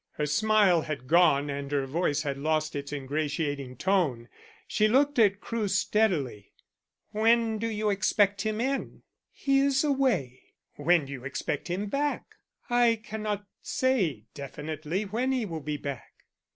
Her smile had gone and her voice had lost its ingratiating tone. She looked at Crewe steadily. "When do you expect him in?" "He is away." "When do you expect him back?" "I cannot say definitely when he will be back."